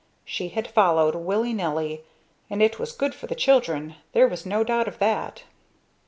She had followed, willy nilly; and it was good for the children there was no doubt of that.